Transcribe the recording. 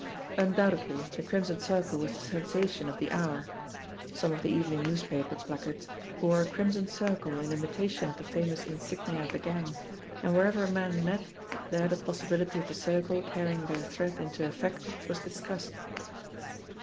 Undoubtedly the Crimson Circle was the sensation of the hour. Some of the evening newspaper placards bore a crimson circle in imitation of the famous insignia of the gang, and wherever men met, there the possibility of the Circle carrying their threat into effect was discussed.